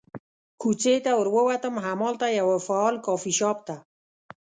کوڅې ته ور ووتم، همالته یوه فعال کافي شاپ ته.